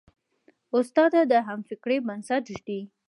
استاد د همفکرۍ بنسټ ږدي.